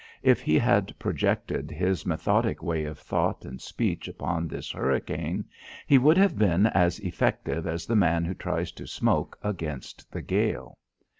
If he had projected his methodic way of thought and speech upon this hurricane, he would have been as effective as the man who tries to smoke against the gale.